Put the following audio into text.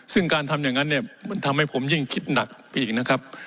ซึ่งการทำอย่างนั้นเนี่ยมันทำให้ผมยิ่งคิดหนักไปอีกนะครับ